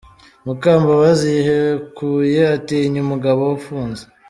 Mukambabazi yihekuye atinya umugabo we ufunze.